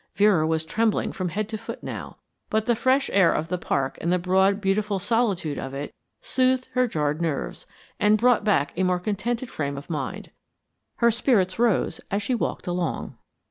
Vera was trembling from head to foot now, but the fresh air of the park and the broad, beautiful solitude of it soothed her jarred nerves, and brought back a more contented frame of mind. Her spirits rose as she walked along.